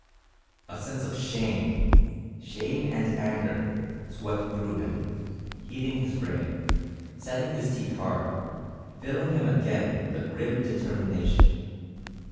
A sense of shame shame and anger swept through him, heating his brain, setting his teeth hard, filling him again with a grim determination.